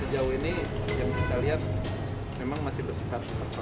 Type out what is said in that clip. sejauh ini yang kita lihat memang masih bersifat personal